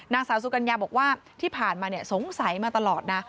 นางสาวสุกัญญาบอกว่าที่ผ่านมาสงสัยมาตลอดนะ